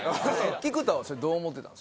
菊田はそれどう思ってたん？